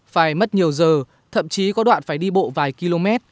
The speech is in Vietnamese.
phải mất nhiều giờ thậm chí có đoạn phải đi bộ vài km